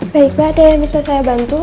baik mbak ada yang bisa saya bantu